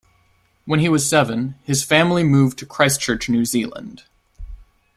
When he was seven his family moved to Christchurch, New Zealand.